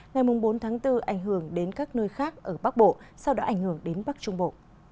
ngày bốn tháng bốn ảnh hưởng đến các nơi khác ở bắc bộ sau đó ảnh hưởng đến bắc trung bộ